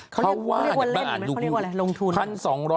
เขาเรียกว่าเล่นหรือเขาเรียกว่าลงทุน